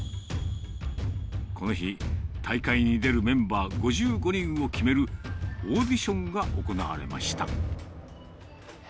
この日、大会に出るメンバー５５人を決めるオーディションが行われました。